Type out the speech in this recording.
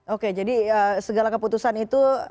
oke jadi segala keputusan itu